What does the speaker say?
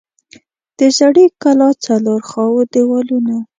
د زړې کلا څلور خوا دیوالونه